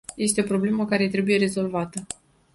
Este o problemă care trebuie rezolvată.